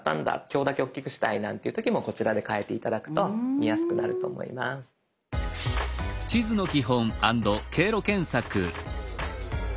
今日だけ大きくしたいなんていう時もこちらで変えて頂くと見やすくなると思います。